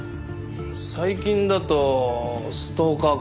最近だとストーカーかな。